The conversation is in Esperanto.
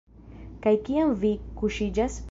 Kaj kiam vi kuŝiĝas?